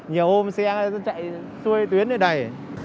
nhiều ôm xe chạy xuôi tuyến đầy